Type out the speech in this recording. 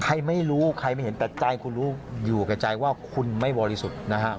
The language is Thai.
ไม่รู้ใครไม่เห็นแต่ใจคุณรู้อยู่กับใจว่าคุณไม่บริสุทธิ์นะฮะ